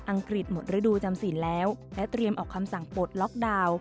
กฤษหมดฤดูจำสินแล้วและเตรียมออกคำสั่งปลดล็อกดาวน์